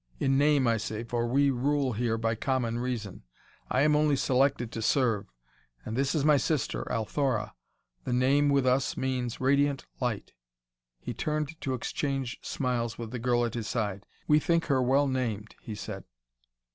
'In name' I say, for we rule here by common reason; I am only selected to serve. And this is my sister, Althora. The name, with us, means 'radiant light.'" He turned to exchange smiles with the girl at his side. "We think her well named," he said.